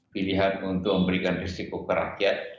pilihan untuk memberikan risiko ke rakyat